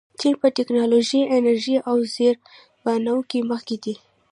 چین په ټیکنالوژۍ، انرژۍ او زیربناوو کې مخکښ دی.